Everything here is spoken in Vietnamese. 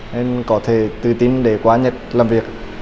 nên có thể tự tin để qua nhất làm việc